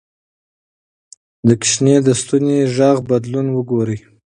د ماشوم د ستوني غږ بدلون وګورئ.